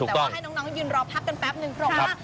ก็จะให้น้องยืนรอพักกันแป๊บหนึ่งครับ